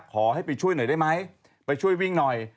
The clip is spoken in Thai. ขอให้ไปช่วยหน่อยได้ไหมไปช่วยวิ่งหน่อย